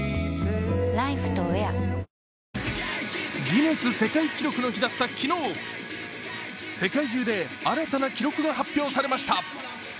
ギネス世界記録の日だった昨日、世界中で新たな記録が発表されました。